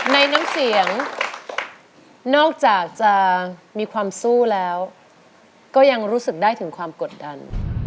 น้ำเสียงนอกจากจะมีความสู้แล้วก็ยังรู้สึกได้ถึงความกดดัน